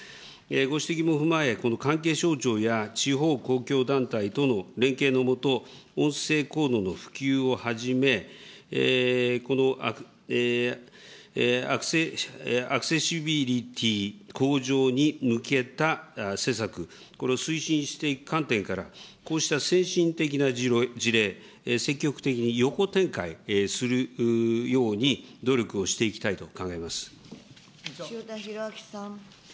ご指摘も踏まえ、この関係省庁や、地方公共団体との連携の下、音声コードの普及をはじめ、アクセシビリティ向上に向けた施策、これを推進していく観点から、こうした先進的な事例、積極的に横展開するように努力をしていき塩田博昭さん。